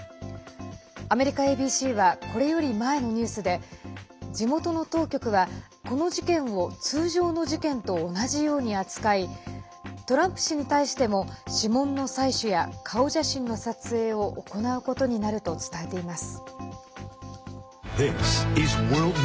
アメリカＡＢＣはこれより前のニュースで地元の当局は、この事件を通常の事件と同じように扱いトランプ氏に対しても指紋の採取や顔写真の撮影を行うことになると伝えています。